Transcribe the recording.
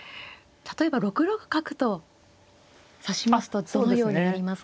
例えば６六角と指しますとどのようになりますか。